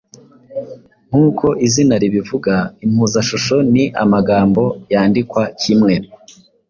Nk’uko izina ribivuga impuzashusho ni amagambo yandikwa kimwe